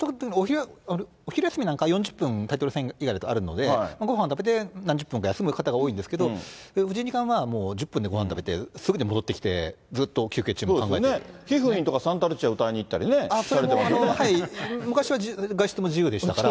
お昼休みなんかは４０分タイトル戦以外だとあるので、ごはんを食べて何十分か休む方が多いんですけれども、藤井二冠は１０分でごはん食べてあるので、ずっと休憩中も考えてひふみんとかサンタルチア歌昔は外出も自由でしたから。